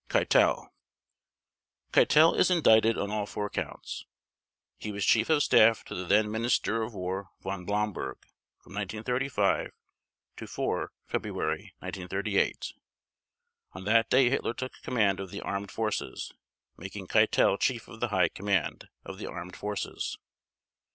KEITEL Keitel is indicted on all four Counts. He was Chief of Staff to the then Minister of War Von Blomberg from 1935 to 4 February 1938; on that day Hitler took command of the Armed Forces, making Keitel Chief of the High Command of the Armed Forces.